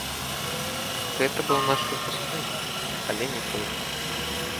Гэта быў наш выпускны, але не той.